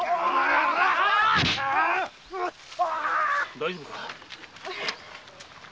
大丈夫か？